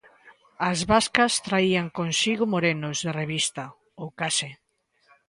As vascas traían consigo morenos de revista, ou case.